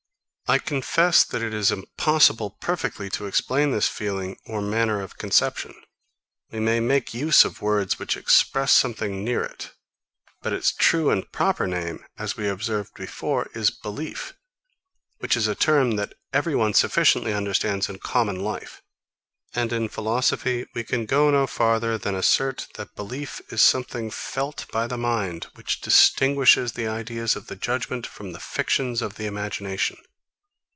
I confess, that it is impossible perfectly to explain this feeling or manner of conception. We may make use of words which express something near it. But its true and proper name, as we observed before, is belief; which is a term that every one sufficiently understands in common life. And in philosophy, we can go no farther than assert, that belief is something felt by the mind, which distinguishes the ideas of the judgement from the fictions of the imagination.